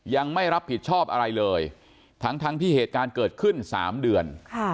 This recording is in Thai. ยังไม่รับผิดชอบอะไรเลยทั้งที่เหตุการณ์เกิดขึ้น๓เดือน